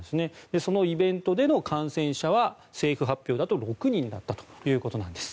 そのイベントでの感染者は政府発表だと６人だったということなんです。